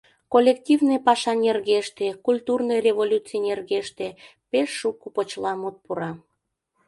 Коллективный паша нергеште, культурный революций нергеште пеш шуко почеламут пура.